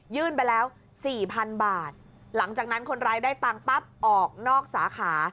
ไปแล้วสี่พันบาทหลังจากนั้นคนร้ายได้ตังค์ปั๊บออกนอกสาขา